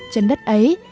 trên đất ấy